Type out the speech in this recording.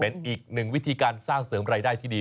เป็นอีกหนึ่งวิธีการสร้างเสริมรายได้ที่ดี